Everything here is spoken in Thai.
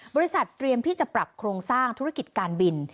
บริษัทเตรียมที่จะปรับโครงสร้างธุรกิจการบิน